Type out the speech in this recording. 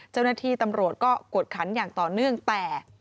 เจ้าหน้าที่ตำรวจก็กวดขันอย่างต่อเนื่องแต่